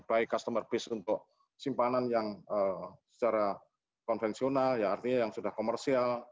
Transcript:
baik customer base untuk simpanan yang secara konvensional ya artinya yang sudah komersial